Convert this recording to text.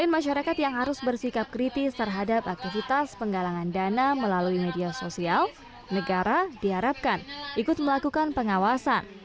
masyarakat yang harus bersikap kritis terhadap aktivitas penggalangan dana melalui media sosial negara diharapkan ikut melakukan pengawasan